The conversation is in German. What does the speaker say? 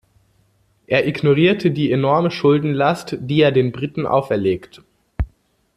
Er ignorierte die enorme Schuldenlast, die er den Briten auferlegt.